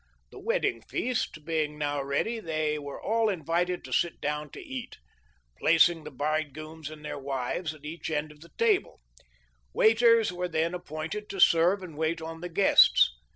The wedding feast being now ready they were all invited to sit down to eat, placing the bridegrooms and their wives at each end of the table Waiters were then appointed to serve and wait on the guests.